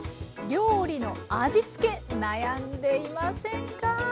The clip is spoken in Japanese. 料理の味付け悩んでいませんか？